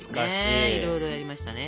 いろいろやりましたね。